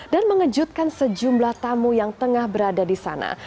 dan mengejutkan sejumlah tamu yang tengah berada di sana